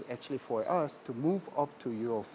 untuk bergerak ke euro lima